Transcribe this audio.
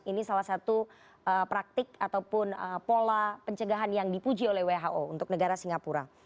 ini salah satu praktik ataupun pola pencegahan yang dipuji oleh who untuk negara singapura